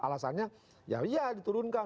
alasannya ya iya diturunkan